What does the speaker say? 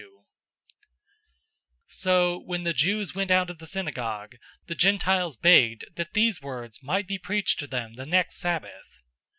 '"{Habakkuk 1:5} 013:042 So when the Jews went out of the synagogue, the Gentiles begged that these words might be preached to them the next Sabbath.